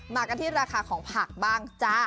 มากันที่ราคาของผักบ้างจ้า